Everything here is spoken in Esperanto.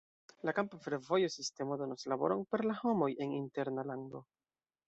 La kampa fervojo sistemo donos laboron per la homoj en interna lando.